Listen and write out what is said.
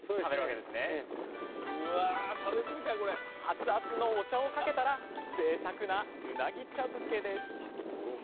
熱々のお茶をかけたらぜいたくなうなぎ茶漬けです